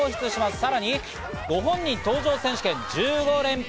さらにご本人登場選手権１５連発。